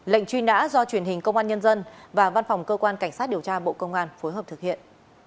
lệnh truy nã do truyền hình công an nhân dân và văn phòng cơ quan cảnh sát điều tra bộ công an phối hợp thực hiện